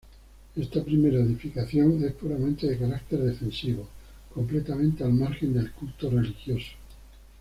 Esta primera edificación es puramente de carácter defensivo, completamente al margen del culto religioso.